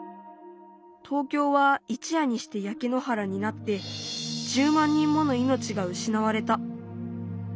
東京は一夜にしてやけ野原になって１０万人もの命がうしなわれた。